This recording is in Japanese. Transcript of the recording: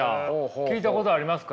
聞いたことありますか？